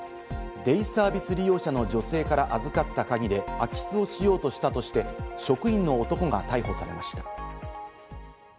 デイサービス利用者の女性から預かった鍵で空き巣をしようとしたとして職員の男が逮捕されました。